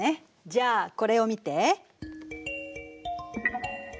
じゃあこれを見て。